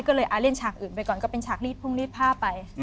ก็เลยเล่นฉากอื่นไปก่อนก็เป็นฉากรีดพุ่งรีดผ้าไป